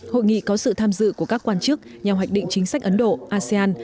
hội nghị có sự tham dự của các quan chức nhằm hoạch định chính sách ấn độ asean